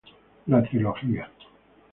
La trilogía